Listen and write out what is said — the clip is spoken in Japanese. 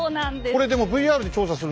これでもＶＲで調査するのはね